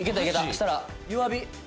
そしたら弱火」